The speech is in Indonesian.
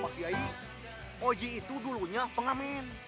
pak kiai oji itu dulunya pengamen